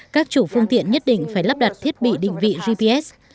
các chủ phương tiện nhất định phải lắp đặt thiết bị định vị gps